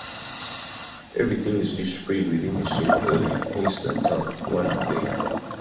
Everything is displayed within a single area, hence the term "one pane".